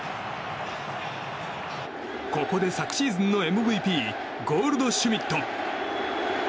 ここで昨シーズンのＭＶＰゴールドシュミット。